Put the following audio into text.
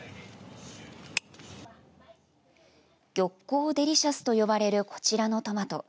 玉光デリシャスと呼ばれるこちらのトマト。